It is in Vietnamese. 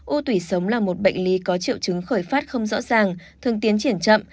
u tủy sống là một bệnh lý có triệu chứng khởi phát không rõ ràng thường tiến triển chậm